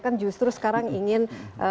kan justru sekarang ingin